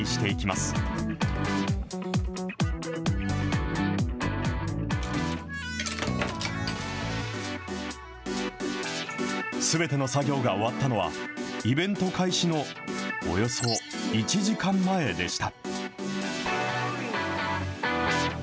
すべての作業が終わったのは、イベント開始のおよそ１時間前でした。